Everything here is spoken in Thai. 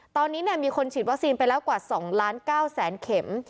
ตอนนี้มีคนฉีดวัคซีนไปแล้วกว่า๒ล้าน๙แสนเข็ม